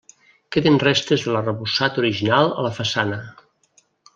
Queden restes de l'arrebossat original a la façana.